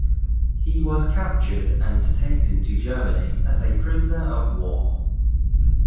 He was captured and taken to Germany as a prisoner of war.